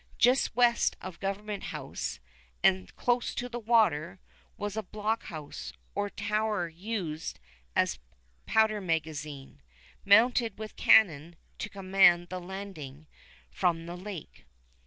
Just west of Government House, and close to the water, was a blockhouse or tower used as powder magazine, mounted with cannon to command the landing from the lake.